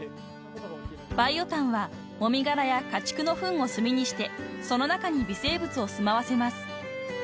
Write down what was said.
［バイオ炭はもみ殻や家畜のふんを炭にしてその中に微生物を住まわせます］